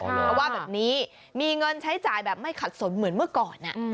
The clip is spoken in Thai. เขาว่าแบบนี้มีเงินใช้จ่ายแบบไม่ขัดสนเหมือนเมื่อก่อน